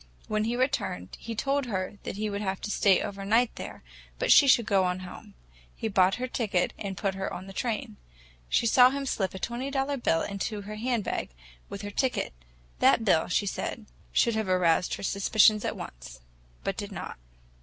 When he returned, he told her that he would have to stay overnight there, but she could go on home. He bought her ticket and put her on the train. She saw him slip a twenty dollar bill into her handbag with her ticket. That bill, she said, should have aroused her suspicions at once—but did not.